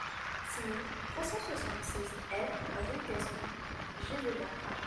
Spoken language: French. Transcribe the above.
six mille trois cent soixante-seize F rue Gaston Gévaudan